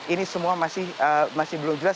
ini semua masih belum jelas